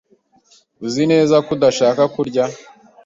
Uzi neza ko udashaka ko urya?